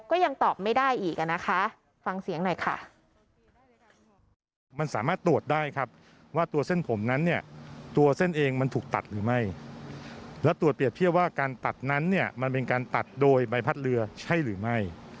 ก็ยังตอบไม่ได้อีกอ่ะนะคะฟังเสียงหน่อยค่ะ